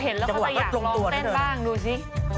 พอเห็นแล้วเค้าจะอยากลองเต้นบ้างดูสิ